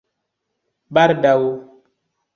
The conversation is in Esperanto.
baldaŭ